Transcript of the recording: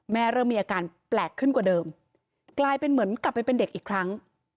เริ่มมีอาการแปลกขึ้นกว่าเดิมกลายเป็นเหมือนกลับไปเป็นเด็กอีกครั้ง